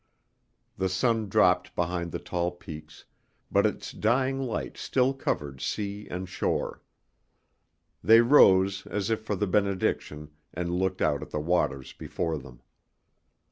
The sun dropped behind the tall peaks, but its dying light still covered sea and shore. They rose as if for the benediction, and looked out at the waters before them.